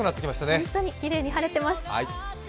本当にきれいに晴れています。